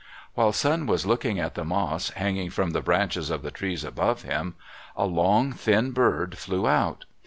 While Sun was looking at the moss hanging from the branches of the trees above him, a long, thin bird flew out.